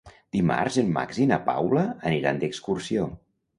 Dimarts en Max i na Paula aniran d'excursió.